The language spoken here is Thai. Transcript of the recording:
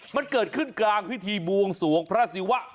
มันเกิดขึ้นกลางพิธีบวงสวงพระศิวะ